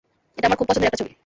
এটা আমার খুব পছন্দের একটা ছবি!